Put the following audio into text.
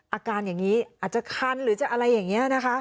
อาการอย่างนี้อาจจะคันหรือจะอะไรอย่างนี้นะคะ